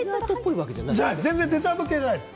デザート系じゃないです。